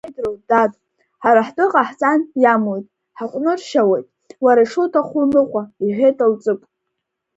Сеидроу, дад, ҳара ҳтәы ҟаҳҵан, иамуит, ҳаҟәныршьауеит, уара ишуҭаху уныҟәа, — иҳәеит Алҵыкә.